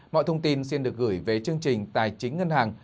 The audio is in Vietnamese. mọi thông tin xin được gửi về chương trình tài chính ngân hàng